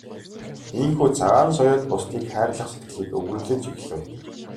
Ийнхүү Цагаан соёот бусдыг хайрлах сэтгэлийг өвөрлөж эхлэв.